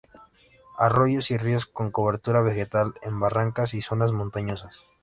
Arroyos y ríos con cobertura vegetal en barrancas y zonas montañosas.